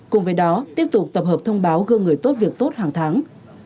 cùng với đó tiếp tục tập hợp thông báo gương người tốt việc tốt hàng tháng